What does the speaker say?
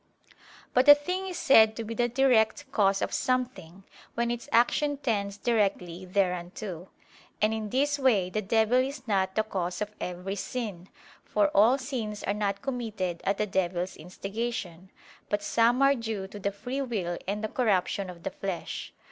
But a thing is said to be the direct cause of something, when its action tends directly thereunto. And in this way the devil is not the cause of every sin: for all sins are not committed at the devil's instigation, but some are due to the free will and the corruption of the flesh.